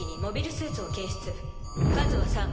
数は３。